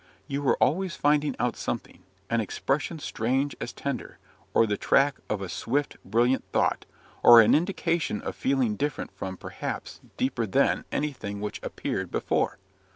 You were always finding out something an expression strange as tender, or the track of a swift, brilliant thought, or an indication of feeling different from, perhaps deeper than, anything which appeared before.